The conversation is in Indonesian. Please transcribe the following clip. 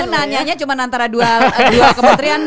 lu nanyanya cuma antara dua kementrian